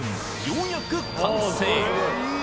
ようやく完成